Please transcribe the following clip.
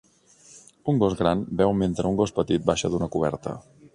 Un gos gran beu mentre un gos petit baixa d'una coberta.